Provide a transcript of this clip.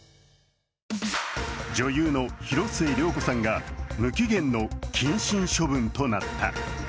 女優の広末涼子さんが無期限の謹慎処分となった。